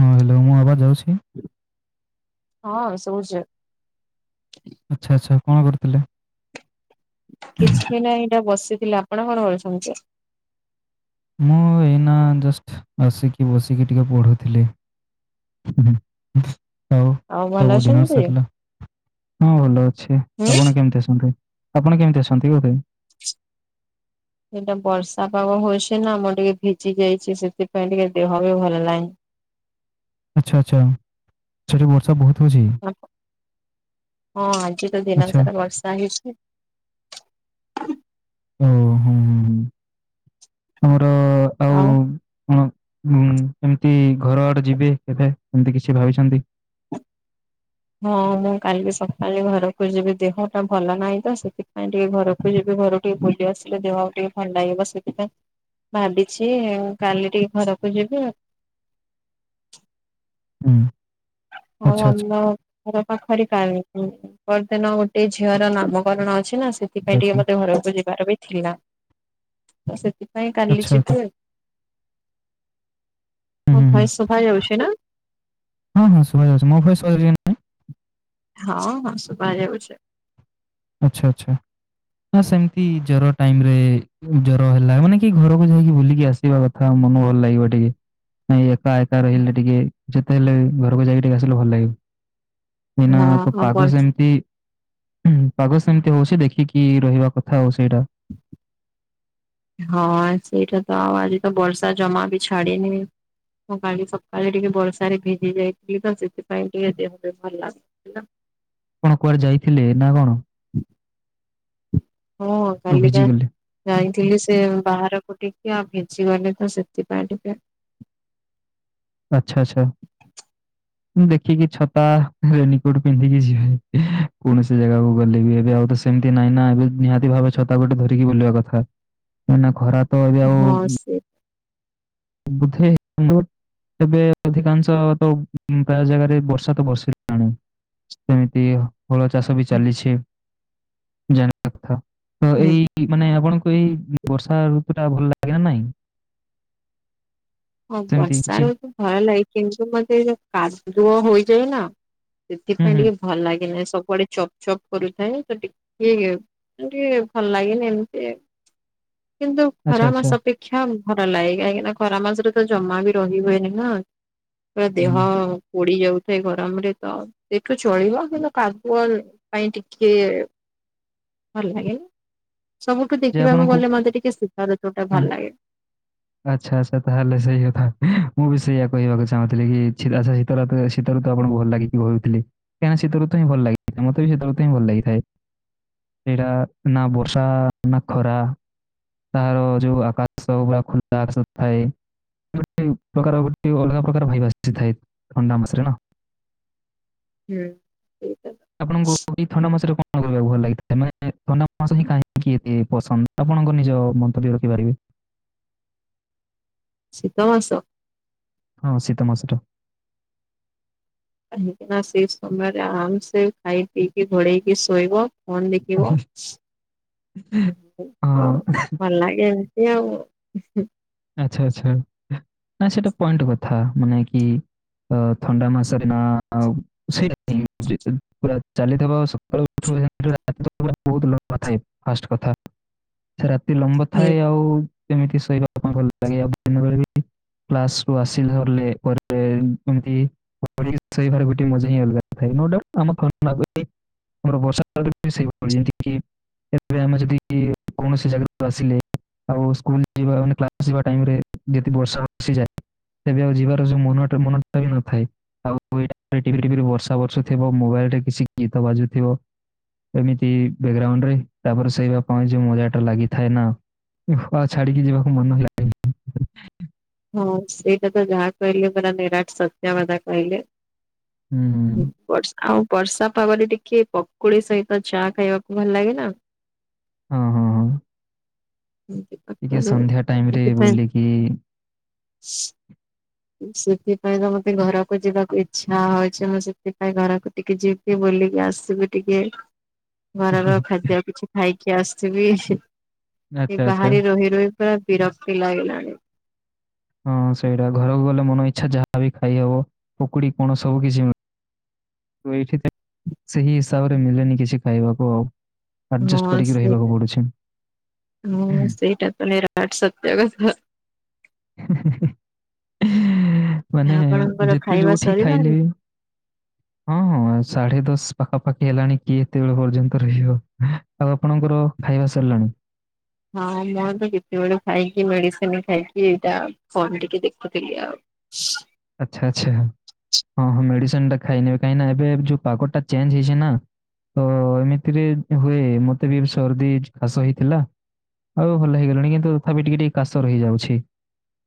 ହଁ ହାଲୋ ମୁଁ ଆବାଜ ଆଉଛି? ହଁ ଶୁଭୁଚି। ଆଚ୍ଛା ଆଚ୍ଛା କଣ କରୁଥିଲେ? କିଛି ନାହିଁ ଏଇଟା ବସିଥିଲି, ଆପଣ କଣ କରୁଛନ୍ତି? ମୁଁ ଏଇନା ଜଷ୍ଟ ଆସିକି, ବସିକି ଟିକେ ପଢୁଥିଲି। [unintelligible] ହଉ ଆଉ ଭଲ ସବୁ ଡିନର ଅଛନ୍ତି? ସରିଲା। ହଁ ଭଲ ଅଛି, ହୁଁ ଆପଣ କେମିତି ଅଛନ୍ତି? ଆପଣ କେମିତି ଅଛନ୍ତି [unintelligible] ଏଇଟା ବର୍ଷା ପାଗ ହଉଛି ନା ମୁଁ ଟିକେ ଭିଜି ଯାଇଚି, ସେଥିପାଇଁ ଟିକେ ଦେହ ବି ଭଲ ନାହିଁ। ଆଚ୍ଛା ଆଚ୍ଛା ସେଠି ବର୍ଷା ବହୁ ହଁ ଆଜି ତ ଦିନ ଆଚ୍ଛା, ସାରା ବର୍ଷା ହେଇଛି। ଓହୋ ହଁ ହଁ ଆମର ଆଉ ପଣ ଏମିତି ଘର ଆଡେ ଯିବେ କେବେ ଏମିତି କିଛି ଭାବିଛନ୍ତି? ହଁ ମୁଁ କାଲି ସକାଳେ ଘରକୁ ଯିବି ଦେହଟା ଭଲ ନାହିଁ ତ ସେଥିପାଇଁ ଟିକେ ଘରକୁ ଯିବି ଘରକୁ ମୋର। ଟିକେ ବୁଲି ଆସିଲେ ଦେହକୁ ଟିକେ ଫଣ୍ଡା ଏ ବସିକିନା। ଭାବିଚି କାଲି ଟିକେ ଘରକୁ ଯିବି ଆଉ। ହୁଁ, [unintelligible] ଆଚ୍ଛା, ଆଚ୍ଛା, ନ। ଘର ପାଖରେ କାର୍ଡ [unintelligible] ପରଦିନ ଗୋଟେ ଝିଅର ନାମକରଣ ଅଛି ନା ସେ ଆଚ୍ଛା, ସେଥିପାଇଁ ଟିକେ ଆଚ୍ଛା, ମତେ ଘରକୁ ଯିବାର ବି ଥିଲା, ତ ସେଥିପାଇଁ କାଲି ଆଚ୍ଛା, ଆଚ୍ଛା। ଯିବି ଆଉ। ହୁଁ, ମୋ ହୁଁ, ହୁଁ। ଭଏସ ଶୁଭା ଯାଉଚି ନା? ହଁ ହଁ ଶୁଭା ଯାଉଚି, ମୋ ଭଏସ ଶୁଭା ଯାଉଚି ନା। ହଁ ହଁ ଶୁଭା ଯାଉଛି। ଆଚ୍ଛା ଆଚ୍ଛା ହଁ ସେମିତି ଜର ଟାଇମ ରେ ଜର ହେଲା ମାନେ କି ଘରକୁ ଯାଇକି ବୁଲିକି ଆସିବା କଥା ମନ ଭଲ ଲାଗିବ ଟିକେ। ନାଇ ଏକା ଏକା ରହିଲେ ଟିକେ ଯେତେ ହେଲେ ବି ଘରକୁ ଯାଇକି ଟିକେ ଆସିଲେ ଭଲ ଲାଗିବ। ଏଇନା ତ ହଁ ପାଗ ସେମତି ଉ ହୁଁ ପାଗ ସେମିତି ହଉଛି ଦେଖିକି ରହିବା କଥା ଆଉ ସେଇଟା। ହଁ ସେଇଟା ତ ଆଉ ଆଜି ତ ବର୍ଷା ଜମା ବି ଛାଡିନି। ମୁଁ କାଲି ସକାଳେ ଟିକେ ବର୍ଷାରେ ଭିଜି ଯାଇଥିଲି ତ ସେଥିପାଇଁ ଟିକେ ଦେହ ବି ଭଲ ଲାଗୁ ନ। ଆପଣ କୁଆଡେ ଯାଇଥିଲେ ନା କଣ? ହଁ ଓ କାଲିିକା ଭିଜିଗଲେ ଯାଇଥିଲି ସେ ବାହାରକୁ ଟିକେ ଆଉ ଭିଜିଗଲି ତ ସେଥିପାଇଁ ଟିକେ ଆଛା ଆଚ୍ଛା। ମୁଁ ଦେଖିକି ଛତା, ରେନିକୋଟ ପିନ୍ଧିକି ଯିବେ, କୌଣସି ଜାଗାକୁ ଗଲେ ବି ଏବେ ଆଉ ତ ସେମିତି ନାଇଁ ନା ଏବେ ନିହାତି ଭାବେ ଛତା ଗୋଟେ ଧରିକି ବୁଲିବା କଥା। କାଇଁନା ଖରା ତ ଏବେ ଆଉ ହଁ ସେ ବୁଧେ [unintelligible] ତେବେ ଅଧିକାଂଶ ତ ପ୍ରାୟ ଜାଗାରେ ବର୍ଷା ତ ବର୍ଷିଲାଣି। ସେମିତି ହଳ ଚାଷ ବି ଚାଲିଛି, ଜେନ୍। ତ ହୁଁ ଏଇ ମାନେ ଆପଣଙ୍କୁ ଏଇ ବର୍ଷା ଋତୁଟା ଭଲ ଲାଗେ ନା ନାଇଁ? ହଁ ସେମିତି ବର୍ଷା କିଛି ଋତୁ ଭଲ ଲାଗେ କିନ୍ତୁ ମତେ ଏଯୋଉ କାଦୁଅ ହୋଇଯାଏ ନା ହୁଁ ସେଥିପାଇଁ ହୁଁ ଟିକେ ଭଲ ଲାଗେନାହିଁ, ସବୁଆଡେ ଚ ପ କରୁଥାଏ ତ ଟିକେ ଟିକେ ଭଲ ଲାଗେନି ଏମିତି। କିନ୍ତୁ ଆଚ୍ଛା ଖରା ଆଚ୍ଛା ମାସ ଅପେକ୍ଷା ଭଲ ଲାଗେ କାହିଁକିନା ଖରା ମାସରେ ତ ଜମା ବି ରହି ହୁଏନି ନା, ପୁରା ହୁଁ ଦେହ ହୁଁ। ପୋଡି ଯାଉଥାଏ ଗରମରେ ତ ଏଠୁ ଚଳିବ, କିନ୍ତୁ କାଦୁଅ ପାଇଁ ଟିକେ ଭଲ ଲାଗେନି। ସବୁଠୁ ଯେ ଦେଖିବାକୁ ଆପଣଙ୍କୁ ଗଲେ ମତେ ଟିକେ ଶୀତ ଋତୁଟା ହଁ ଭଲ ଲାଗେ। ଆଚ୍ଛା ଆଚ୍ଛା ତାହେଲେ ସେଇ କଥା। ମୁଁ ବି ସେଇଆ କହିବାକୁ ଚାହୁଁଥିଲି କି [unintelligible] ତ ଋତୁରେ ଶୀତ ଶୀତ ଆପଣ ଭଲ ଲାଗିଥିବ ଭାବିଥିଲି। କାହିଁକିନା ଶୀତ ଋତୁ ହିଁ ଭଲ ଲାଗେ, ମତ ବି ଶୀତ ଋତୁ ହିଁ ଭଲ ଲାଗିଥାଏ। ସେଇଟା ନା ବର୍ଷା ନା ଖରା ତାହାର ଯୋଉ ଆକାଶ ସବୁ ପା ଖୋଲା ଆକାଶ ଥାଏ। ଗୋଟେ ପ୍ରକାର ଗୋଟେ ଅଲଗା ପ୍ରକାର [unintelligible] ଥାଏ ଥଣ୍ଡା ମାସରେ ନା। ହୁଁ ସେଇଟା। ତ ଆପଣଙ୍କୁ ଏ ଥଣ୍ଡା ମାସରେ କଣ କରିବାକୁ ଭଲ ଲାଗେ? ମାନେ ଥଣ୍ଡା ମାସ ହିଁ କାହିଁକି ଏତେ ପସନ୍ଦ? ଆପଣଙ୍କ ନିଜ ମନ୍ତ ଟି ରଖିପାରିବେ। ଶୀତମାସ। ହଁ ଶୀତମାସ ଟା। କାହିଁକିନା ସେଇ ସମୟରେ ଆରାମ ସେ ଖାଇ ପିଇକି ଘୋଡେଇକି ଶୋଇବ। ଫୋନ ଦେଖିବ। ହଁ। ଭଲ ଲାଗେ ଏମିତି ଆଉ। ଆଚ୍ଛା ଆଚ୍ଛା। ଆଚ୍ଛା ଏଟା ପଏଣ୍ଟ କଥା ମାନେ କି ଅ ଥଣ୍ଡା ମାସରେ ନା ଆଉ ସେଇଟା। [unintelligible] ଫାଷ୍ଟ କଥା, ରାତି ଲମ୍ୱା ଥାଏ ଆଉ ଏମିତି ଶୋଇବା ଭଲ ଲାଗେ। ଆଉ ଦିନ ବେଳେ ବି କ୍ଲାସ କୁ ଆସି ସାରିଲା ପରେ ଏମିତି ଘୋଡେଇକି ଶୋଇ ବାରେ ଗୋଟେ ମଜା ହିଁ ଅଲଗା ଥାଏ। [unintelligible] ଆମର ବର୍ଷା ପାଗ ଟି ବି ସେଇ ଭଳିଆ। [unintelligible] ଏବେ ଆମେ ଯଦି କୌଣସି ଜାଗାରୁ ଆସିଲେ ଆଉ ସ୍କୁଲ ଯିବା ମାନେ କ୍ଲାସ୍ ଯିବା ଟାଇମରେ ଯଦି ବର୍ଷା ଆସିଯାଏ, ତେବେ ଆଉ ଯିବାର ଯୋଉ ମନ ଟା ମନଟା ବି ନଥାଏ। ଆଉ ଏଟା ଟିପିରି ଟିପିରି ବର୍ଷା ବର୍ଷୁ ଥିବ ମୋବାଇଲ ରେ କିଛି ଗୀତ ବାଜୁଥିବ ଏମିତି ବେଗ୍ରାଉଣ୍ଡ ରେ ତାପରେ ଶୋଇବା ପାଇଁ ଯୋଉ ମଜା ଟା ଲାଗିଥାଏ ନା ଘର ଛାଡିକି ଯିବାକୁ ମନ ହେଲା। ହଁ ସେଇଟା ତ ଯାହା କହିଲେ ପୁରା ନିରାଟ ସତ୍ୟ କଥା କହିଲେ। ହୁଁ। ବର୍ଷା ଆଉ ବର୍ଷା ପାଗରେ ଟିକେ ପକୁଡି ସହିତ ଚା ଖାଇବାକୁ ଭଲ ଲାଗେ ନା। ହଁ। [unintelligible] ଟିକେ ସନ୍ଧ୍ୟା ଟାଇମ୍ ରେ ସେଥିପାଇଁ ବୁଲିକି [inaudible] ସେଥିପାଇଁ ତ ମତେ ଘରକୁ ଯିବାକୁ ଇଚ୍ଛା ହଉଚି। ମୁଁ ସେଥିପାଇଁ ଘରକୁ ଟିକେ ଯି ଟିକେ ବୁଲିକି ଆସିବି ଟିକେ। ଘରର ଖାଦ୍ୟ କିଛି ଖାଇକି ଆସିବି। ଏ ଆଚ୍ଛା ଆଚ୍ଛା ବାହାରେ ରହି ରହି ପୁରା ବିରକ୍ତି ଲାଗିଲାଣି। ହଁ ସେଇଟା ଘରକୁ ଗଲେ ମନ ଇଚ୍ଛା ଯାହା ବି ଖାଇହବ। ପକୁଡି ପଣସ ହଉ କି ଯି ତ ଏଇଠି ତ ସେହି ହିସାବରେ ମିଳେନି କିଛି ଖାଇବାକୁ ଆଉ। ଆଡଜଷ୍ଟ ହଁ କରିକି ରହିବାକୁ ସେଇଟା, ପଡୁଛି। ହଁ ସେଇଟା ତ ନିରାଟ ସତ୍ୟ କଥା। [inaudible] ମାନେ ଆପଣଙ୍କର ଯେତେ ଖାଇବା ଯୋଉଠି ଖାଇଲେ ସରିଲାଣି? ବି, ହଁ। ସାଢେ ଦଶ ପାଖାପାଖି ହେଲାଣି କିଏ ଏତେବେଳେ ପର୍ଯ୍ୟନ୍ତ ରହିବ। ଆଉ ଆପଣଙ୍କର ଖାଇବା ସରିଲାଣି? ହଁ ମୋର ତ କେତେବେଳୁ ଖାଇକି ମେଡିସିନ ଖାଇକି ଏଇଟା ଫୋନ ଟିକେ ଦେଖୁଥିଲି ଆଉ। ଆଚ୍ଛା ଆଚ୍ଛା। ହଁ ହଁ ମେଡିସିନ ଟା ଖାଇନେବେ। କାହିଁନା ଏବେ ଯୋଉ ପାଗଟା ଚେଞ୍ଜ ହେଇଛି ନା ତ ଏମିତିରେ ହୁଏ। ମତେ ବି ସର୍ଦି ହେଇଚି ଖାସ ହେଇଥିଲା। ଆଉ ଭଲ ହେଇଗଲାଣି କିନ୍ତୁ ତଥାପି ଟିକେ ଟିକେ କାଶ ରହିଯାଉଚି।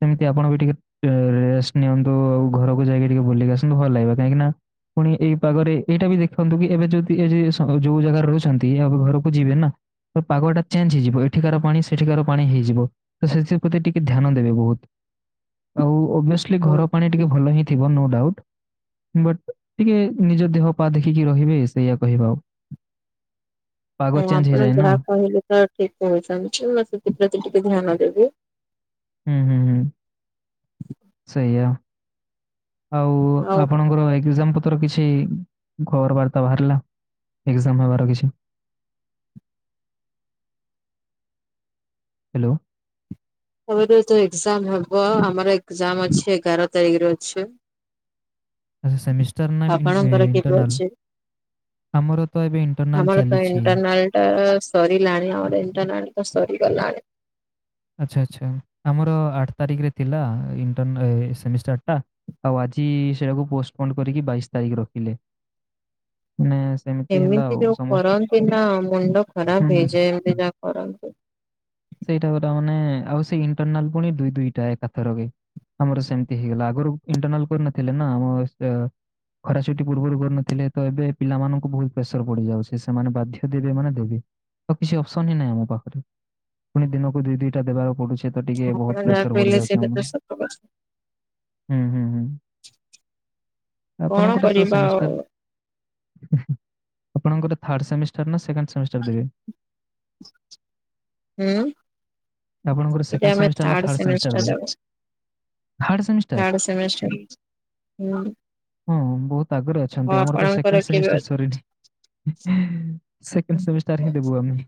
ସେମିତି ଆପଣ ବି ଟିକେ ରେ ରେଷ୍ଟ ନିଅନ୍ତୁ। ତ ଆଉ ଘରକୁ ଯାଇକି ଟିକେ ବୁଲିକି ଆସନ୍ତୁ ଭଲ ଲାଗିବ। କାହିଁକି ନା ପୁଣି ଏଇ ପାଗରେ ଏଇଟା ବି ଦେଖନ୍ତୁ କି ଏବେ ଯଦି ଏ ଯ ଯୋଉ ଜାଗାରେ ରହୁଛନ୍ତି ଘରକୁ ଯିବେ ନା ତ ପାଗ ଟା ଚେଞ୍ଜ ହେଇଯିବ। ଏଠିକାର ପାଣି ସେଠିକାର ପାଣି ହେଇଯିବ। ତ ସେଥ୍ ସେଥ୍ ପ୍ରତି ଟିକେ ଧ୍ୟାନ ଦେବେ ବହୁତ ଆଉ ଓଭିଅସଲି ହଁ ଘର ପାଣି ଟିକେ ଭଲ ହିଁ ଥିବ ନୋ ଡାଉଟ୍। ବଟ୍ ଟିକେ ନିଜ ଦେହ ପା ଦେଖିକି ରହିବେ ସେଇୟା କହିବା ଆଉ। ପାଗ ହଁ, ଚେଞ୍ଜ ଆପଣ ହେଇଯାଏ ନା ଯାହା କହିଲେ ତ ଠିକ୍ କହୁଛନ୍ତି ମୁଁ ସେଥିପ୍ରତି ଟିକେ ଧ୍ୟାନ ଦେବି। ହୁଁ ହୁଁ। ସେଇୟା। ଆଉ ଆପଣଙ୍କର ଏକ୍ଜାମ୍ ପୁ ତ୍ର କିଛି ଖବର ବାର୍ତ୍ତା ବାହାରିଲା ଏକ୍ଜାମ୍ ହେବାର କିଛି? ହ୍ୟାଲୋ। ଏବେ ତ ଏତେ ଏକ୍ଜାମ୍ ହେବ। ଆମର ଏକ୍ଜାମ୍ ଅଛି ଏଗାର ତାରିଖରେ ଅଛି। ଆଚ୍ଛା ସେମିଷ୍ଟାର ନା ଇନ୍ ଏ ଆପଣଙ୍କର କେବେ ଇଣ୍ଟରନାଲ୍? ଅଛି? ଆମର ତ ଏବେ ଇଣ୍ଟରନାଲ ଚାଲିଛି। ଏ ସରିଲାଣି ଆଉ ଏବେ ଇଣ୍ଟରନାଲ୍ ତ ସରିଗଲାଣି। ଆଚ୍ଛା ଆଚ୍ଛା ଆମର ଆଠ୍ ତାରିଖରେ ଥିଲା ଇଣ୍ଟରନା ଏ ସେମିଷ୍ଟାର ଟା। ଆଉ ଆଜି ସେଇଟାକୁ ପୋଷ୍ଟପୋଣ୍ଡ କରିକି ବାଇଶ୍ ତାରିଖ ରଖିଲେ। ମାନେ ସେମିତି ହେଲା ଏମିତି ଆଉ ଯୋଉ ସମସ୍ତ କରନ୍ତି ନା ମୁଣ୍ଡ ହୁଁ, ଖରାପ ହୁଁ। ହେଇଯାଏ ଏମିତି ଯାହା କରନ୍ତି। ସେଇଟା ଗୋଟା ମାନେ ଆଉ ସେଇ ଇଣ୍ଟରନାଲ ପୁଣି ଦୁଇ ଦୁଇଟା ଏକାଥରକେ। ଆମର ସେମତି ହେଇଗଲା। ଆଗରୁ ଇଣ୍ଟରନାଲ କରିନଥିଲେ ନା ମୁଁ ଏ ଖରା ଛୁଟି ପୂର୍ବରୁ କରୁନଥିଲେ ତ ଏବେ ପିଲାମାନଙ୍କୁ ବହୁତ ପ୍ରେସର୍ ପଡିଯାଉଛି। ସେମାନେ ବାଧ୍ୟ ଦେବେ ମାନେ ଦେବେ। ଆଉ କିଛି ଅପସନ୍ ହିଁ ନାହିଁ ମୋ ପାଖରେ ପୁଣି ଦିନକୁ ଦୁଇ ଦୁଇଟା ଦେବାକୁ ପଡୁଛି। ତ ଟିକେ ଆପଣ ବହୁତ ଯାହା ପ୍ରେସର ବଢି କହିଲେ ଯାଉଛି ସେଇଟା ଆମର। ତ ସତ କଥା ହୁଁ ହୁଁ ହୁଁ। କଣ ଆପଣଙ୍କର ତ କରିବା ଆଉ ସେମିଷ୍ଟାର୍ ଉଁ ହୁଁ, ଆପଣଙ୍କର ଥାର୍ଡ ସେମିଷ୍ଟାର ନା ସେକେଣ୍ଡ ସେମିଷ୍ଟାର ଦେବେ? ହୁଁ, ଆପଣଙ୍କର ଏବେ ସେକେଣ୍ଡ ଆମେ ସେମିଷ୍ଟାର ନା ଥାର୍ଡ ସେମିଷ୍ଟାର ଦେବେ? ଦବୁ। ଥାର୍ଡ ସେମିସ୍ ଥାର୍ଡ ସେମିଷ୍ଟାର ଅଛି। ହଁ ବହୁତ ଆଗରୁ ଆଉ ଅଛନ୍ତି। ଆମର ତ ଆପଣଙ୍କର ସେକେଣ୍ଡ କେବେ ସେମିଷ୍ଟାର ସରିନି। ସେକେଣ୍ଡ ସେମିଷ୍ଟାର ହିଁ ଦେବୁ ଆମେ।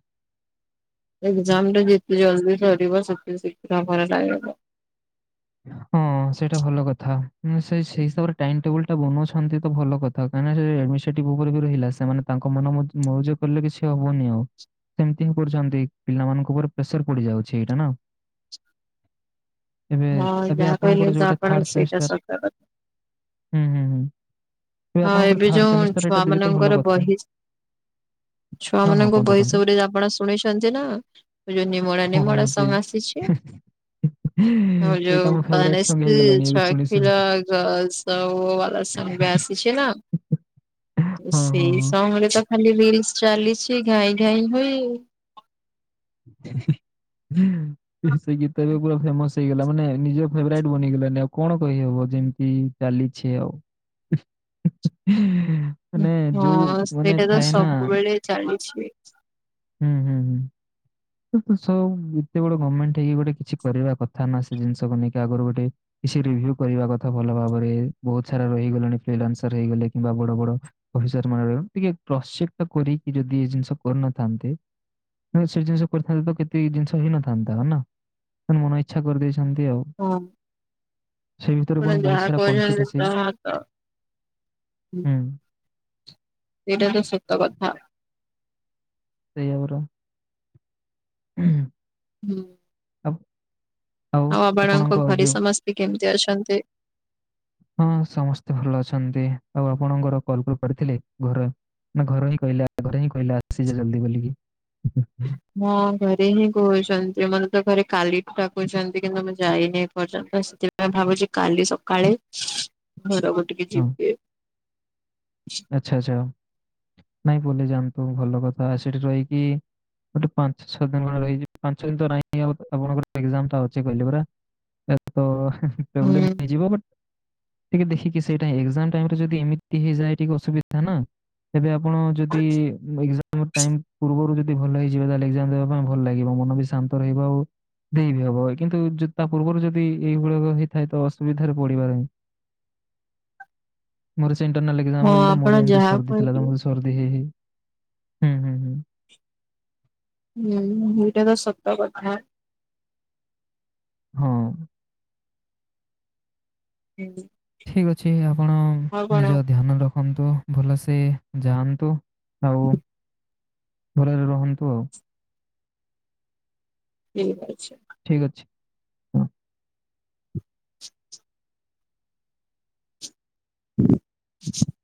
ଏକ୍ଜାମ୍ ଟା ଯେତେ ଜଲଦି ସରିବ ସେତେ ଶୀଘ୍ର ଆମର ଲାଇଫ୍ ଟା ହଁ ସେଇଟା ଭଲ କଥା। ପୁଣି ସେଇ ସେଇ ହିସାବରେ ଟାଇମ୍ ଟେବୁଲ ଟା ବନଉଛନ୍ତି ତ ଭଲ କଥା। ମାନେ ଯେ ଆଡମିନିଷ୍ଟ୍ରେଟିଭ୍ ଉପରେ ଯୋ ରହିଲା ସେମାନେ ତାଙ୍କ ମନ ମୁତ୍ ମୌଜ କରିଲେ କିଛି ହବନି ଆଉ। ସେମତି ହିଁ କରୁଛନ୍ତି। ପିଲାମାନଙ୍କ ଉପରେ ପ୍ରେସର ପଡି ଯାଉଛି ଏଇଟା ନା। ଏବେ ହଁ ଏବେ ଯାହା କହିଲେ ଆପଣଙ୍କର ତ ଯୋଉଟା ଆପଣ ଥାର୍ଡ ସେଇଟା ସେମିଷ୍ଟାର। ସତ କଥା ହୁଁ ହୁଁ। ତେବେ ହଁ ଆପଣଙ୍କର ଏବେ ଥାର୍ଡ ଯୋଉ ସେମିଷ୍ଟାର ଛୁଆ ଏଇଟା ଦେବେ ତ ଭଲ ମାନଙ୍କର କଥା। ବହି ଛୁଆ ହଁ ହଁ ମାନଙ୍କ କୁହନ୍ତୁ କୁହନ୍ତୁ ବହିସବୁରେ ଆପଣ ଶୁଣିଛନ୍ତି ନା ଯୋଉ ନିମଳା ନିମଳା ସଙ୍ଗ୍ ଆସିଛି। ହୁଁ ହୁଁ। ଯଉ ବନସ୍ତେ ଚାଖିଲା ଶୁଣିକି ଗସ୍ତ ବୋୱାଲା ସଙ୍ଗ୍ ବି ଆସ୍ କେନା ହଁ ହଁ ସେଇ ହଁ ସଙ୍ଗ୍ ଆମରି ତ ଖାଲି ରିଲସ୍ ଚାଲିଛି ଘାଇଁ ଘାଇଁ ଘାଇଁ ଆଉ। ହୁଁ ଏ ସେ ଗୀତ ଏବେ ପୁରା ଫେମସ୍ ହେଇଗଲା ମାନେ ନିଜର ଫେବରାଇଟ ବନେଇଗଲାଣିି ଆଉ କଣ କହି ହବ ଯେମତି ଚାଲିଛି ଆଉ। ହୁଁ ମାନେ ଯୋଉ ହଁ ମାନେ ସେଇଟା ତ ଥାଏ ନା ସବୁବେଳେ ଚାଲିଛି। ହୁଁ ହୁଁ ହୁଁ। ଏବେ ସବୁ ଏତେ ବଡ ଗମେଣ୍ଟ ହେଇକି ଗୋଟେ କିଛି କରିବା କଥା ନା ସେ ଜିନିଷକୁ ନେଇକି ଆଗରୁ ଗୋଟେ କିଛି ରିଭୁ କରିବା କଥା ଭଲ ଭାବରେ ବହୁତ ସାରା ରହିଗଲେଣି ଫ୍ରିଲାନ୍ସରେ ହେଇଗଲେ କିମ୍ବା ବଡ ବଡ ଅଫିସର ମାନେ ଟିକେ କ୍ରସ୍ ଚେକ୍ ତ କରିକି ଯଦି ଏ ଜିନିଷ କରୁନଥାନ୍ତେ ସେ ଜିନିଷ କରିଥାନ୍ତେ ତ କେତେ ଏ ଜିନିଷ ହେଇ ନଥାନ୍ତା ହଁ ନା। ଏନ୍ ମନ ଇଚ୍ଛା କରିଦେଇଛନ୍ତି ଆଉ। ହଁ ସେ ଭିତରେ ଆପଣ ପୁଣି ବହୁତ ଯାହା ସାରା କହୁଛନ୍ତି କନସିଟୁଁଏନସି। ତାହା ତ ହୁଁ। ସେଇଟା ତ ସତ କଥା। ସେଇାବର। ହୁଁ। ଆ। ଆଉ ବାବାଣଙ୍କ ଘରେ ସମସ୍ତେ କେମିତି ଅଛନ୍ତି? ହଁ ସମସ୍ତେ ଭଲ ଅଛନ୍ତି ଆଉ ଆପଣଙ୍କର କଲ କରି ପାରଥିଲେ ଘରେ। ନା ଘରେ ହିଁ କହିଲେ ଘରେ ହିଁ କହିଲେ ଆସିଯେ ଜଲଦି ବୋଲିକି। ମଁ ଘରେ ହିଁ କହୁଛନ୍ତି ମର ତ ଘରେ କାଲିଠୁ ାକୁହୁଛନ୍ତି କିନ୍ତୁ ମୁଁ ଯାଇନି ଏପର୍ଯ୍ୟନ୍ତ ଆସି ଆେ ଭାବୁଛ କାଲି ସକାଳେ ଘରକୁ ଟିକେ ହଁ ଯିବେ। ଆଚ୍ଛା ଆଚ୍ଛା ନାଇଁ ପଲେଇ ଯାଆନ୍ତୁ ଭଲ କଥା ସେଠି ରହିକି ଗୋଟେ ପାଞ୍ଚ ଛଅ ଦିନ ରହିଛି ପାଞ୍ଚ ଦିନ ତଁ ଆଉ ଆପଣଙ୍କରା ଅଛି କହିଲେ ପରା ଏ ତ ବ୍ଲେ ହୁଁ ହେଇଯ ଟିକେ ଦେଖିକି ସେଇଟା ଏକ୍ଜାମ ଟାଇମ ରେ ଯଦି ଏମିତି ହେଇଯାଏ ଟିକେ ଅସୁବିଧା। ଏବେ ଆପଣ ଯଦି ଆମ ଟାଇମ ପୂର୍ବରୁ ଯଦି ଭଲ ହେଇଯିବ ତାହେଲେ ଏଜାମ ଦେବା ପାଇଁ ଭଲ ଲାଗିବ ମନ ବି ଶାନ୍ତ ରହିବ ଆଉ। ଦେଇ ବି ହବ କିନ୍ତୁ ତା ପୂର୍ବରୁ ଯଦି ଏଇଭୁଡାକ ହେଇଥାଏ ତ ଅସୁବିଧାରେ ପଡିବହିଁ। ମୋର ସେ ଏଣ୍ଟରନାଲ ହଁ ଏକଜାମ ଆପଣ ମୋର ଏମିତି ଯାହା ସର୍ଦି ଥିଲା। କହିଲେ ସର୍ଦି ହେଇ ହୁଁ, ହୁଁ, ହୁଁ। ହୁଁ ଏଇଟା ତ ସତ କଥା। ହଁ। ହୁଁ। ଠିକ୍ ଅଛି ଆପଣ ଆଉ କଣ ନିଜ ଧ୍ୟାନ ରଖନ୍ତୁ ଭଲସେ ଯାଆନ୍ତୁ। ଆଉ ଭଲରେ ରହନ୍ତୁ ଆଉ। ଠିକ ଅଛି। ଠିକ ଅଛି। [inaudible]